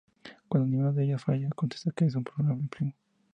Cuando ninguna de ellas falla contesta que es un probable primo.